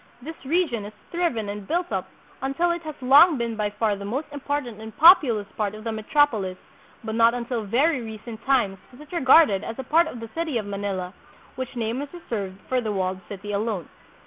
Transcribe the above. This region has thriven and built up until it has long been by far the most important and populous part of the metrop olis, but not until very recent tunes was it regarded as a part of the city of Manila, which name was reserved for the walled city alone.